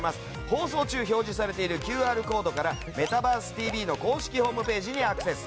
放送中表示されているＱＲコードから「メタバースＴＶ！！」の公式ホームページにアクセス。